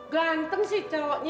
ganteng sih cowoknya